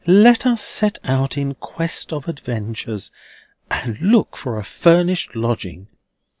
Let us set out in quest of adventures, and look for a furnished lodging.